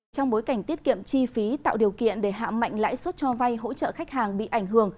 trong bối cảnh tiết kiệm chi phí tạo điều kiện để hạ mạnh lãi suất cho vay hỗ trợ khách hàng bị ảnh hưởng